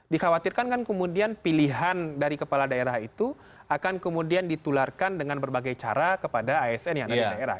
dikhawatirkan kan kemudian pilihan dari kepala daerah itu akan kemudian ditularkan dengan berbagai cara kepada asn yang ada di daerah